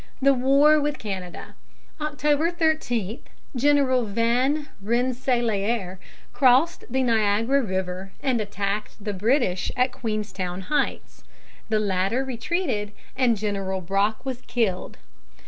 THE WAR WITH CANADA. October 13, General Van Rensselaer crossed the Niagara River and attacked the British at Queenstown Heights. The latter retreated, and General Brock was killed.